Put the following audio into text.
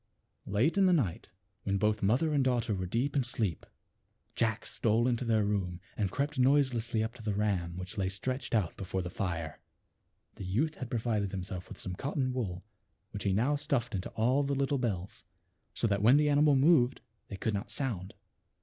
Late in the night, when both mother and daughter were deep in sleep, Jack stole into their room and crept noiselessly up to the ram which lay stretched out before the fire. Th( youth had provided himself with some cotton wool which he now stuffed into all the little bells, so 0 that when the animal moved they could not sound.